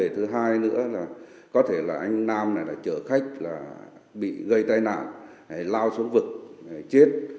thứ hai nữa là có thể là anh nam này là chở khách là bị gây tai nạn lao xuống vực chết